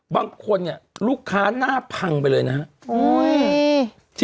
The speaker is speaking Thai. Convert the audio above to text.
บางคนลูกค้าหน้าพังไปเลยนะฮะ